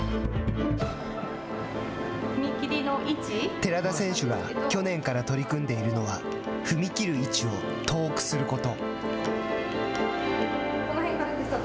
寺田選手が去年から取り組んでいるのは踏み切る位置を遠くすること。